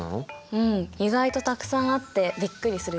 うん意外とたくさんあってびっくりするでしょ？